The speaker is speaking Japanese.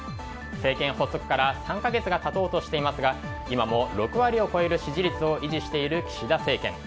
政権発足から３か月が経とうとしていますが今も６割を超える支持率を維持している岸田政権。